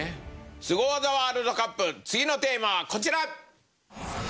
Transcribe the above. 「スゴ技ワールドカップ」次のテーマはこちら！